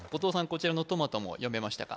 こちらのトマトも読めましたか